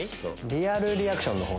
リアルリアクションの方。